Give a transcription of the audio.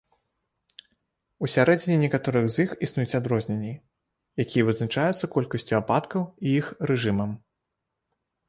Усярэдзіне некаторых з іх існуюць адрозненні, якія вызначаюцца колькасцю ападкаў і іх рэжымам.